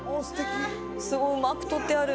すごいうまく撮ってある